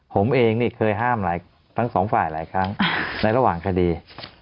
ผมเองนี่เคยห้ามหลายทั้งสองฝ่ายหลายครั้งในระหว่างคดี